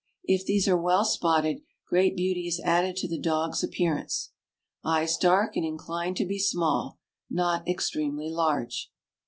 If these are well spotted, great beauty is added to the dog's appear ance. Eyes dark, and inclined to be small, not extremely large.